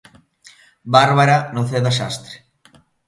Bárbara Noceda Xastre.